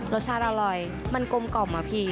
รสชาติอร่อยมันกลมกล่อมอะพี่